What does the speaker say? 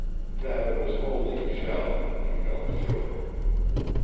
That it was only a shell, he felt sure.